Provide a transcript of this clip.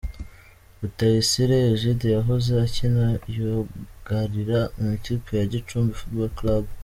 Rutayisire Egide yahoze akina yugarira mu ikipe ya Gicumbi Football Club.